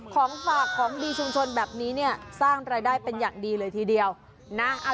ของฝากของดีชุมชนแบบนี้เนี่ยสร้างรายได้เป็นอย่างดีเลยทีเดียวนะ